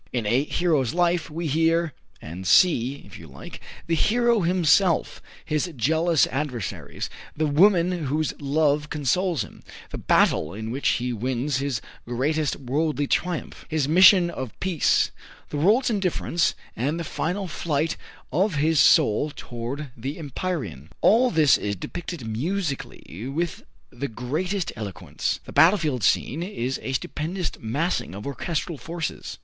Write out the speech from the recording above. In "A Hero's Life" we hear (and see, if you like) the hero himself, his jealous adversaries, the woman whose love consoles him, the battle in which he wins his greatest worldly triumph, his mission of peace, the world's indifference and the final flight of his soul toward the empyrean. All this is depicted musically with the greatest eloquence. The battlefield scene is a stupendous massing of orchestral forces.